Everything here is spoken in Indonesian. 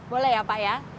boleh ya pak ya